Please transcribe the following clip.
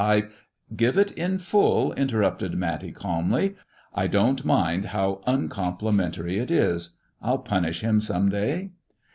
I " "Give it in full," interrupted Matty, calmly. "I don't mind how uncomplimentary it is. I'll punish him some day."